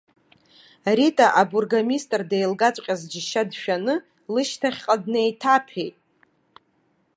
Рита абургомистр деилагаҵәҟьаз џьшьа дшәаны лышьҭахьҟа днеиҭаԥеит.